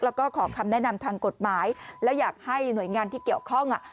แล้วก็ขอคำแนะนำทางกฎหมายแล้วอยากให้หน่วยงานที่เกี่ยวข้องอ่ะ